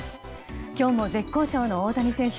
今日も絶好調の大谷選手。